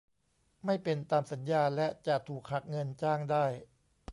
ไม่เป็นตามสัญญาและจะถูกหักเงินจ้างได้